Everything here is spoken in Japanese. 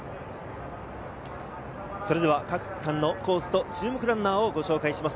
それでは各区間のコースと注目ランナーをご紹介します。